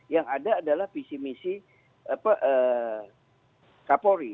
yang ada adalah visi misi kapolri